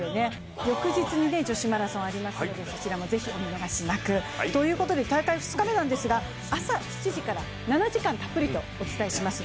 翌日に女子マラソンありますので、ぜひお見逃しなく。ということで大会２日目なんですが朝７時から７時間たっぷりとお伝えします。